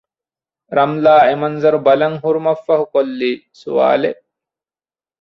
ރަމްލާ އެމަންޒަރު ބަލަން ހުރުމަށްފަހު ކޮށްލީ ސްވާލެއް